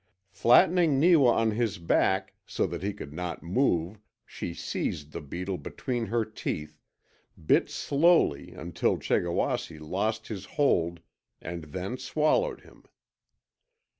Flattening Neewa on his back so that he could not move she seized the beetle between her teeth, bit slowly until Chegawasse lost his hold, and then swallowed him.